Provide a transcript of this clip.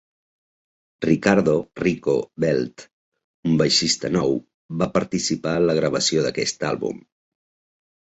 Ricardo "Rico" Belled, un baixista nou, va participar en la gravació d'aquest àlbum.